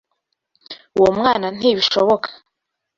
Uwo mwana ntibishoboka.